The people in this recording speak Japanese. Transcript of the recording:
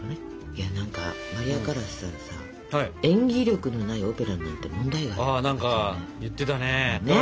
いや何かマリア・カラスさんさ演技力のないオペラなんて問題外って言ってたね。